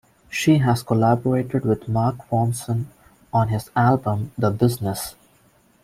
She has collaborated with Mark Ronson on his album, "The Business".